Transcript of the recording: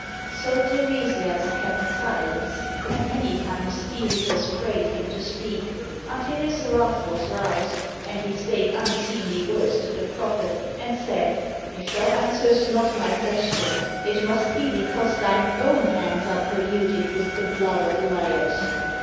So Teiresias kept silence, and many times (Edi pus prayed him to speak, until his wrath was roused, and he spake unseemly words to the prophet, and said, "If thou answerest not my question, it must be because thine own hands are polluted with the blood of Laios."